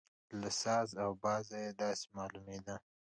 له ساز او بازه یې داسې معلومېدل.